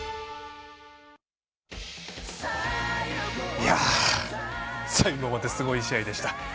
いや最後まですごい試合でした。